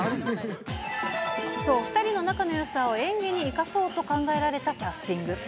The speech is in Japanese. そう、２人の仲のよさを演技に生かそうと考えられたキャスティング。